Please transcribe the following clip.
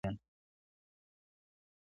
جګړو کې نیول شوي اسیران وو.